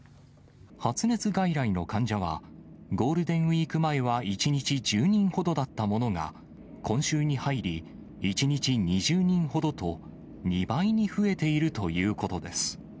発熱外来の患者は、ゴールデンウィーク前は１日１０人ほどだったものが、今週に入り、１日２０人ほどと、２倍に増えているということです。